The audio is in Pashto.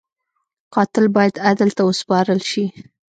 قاتل باید عدل ته وسپارل شي